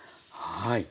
はい。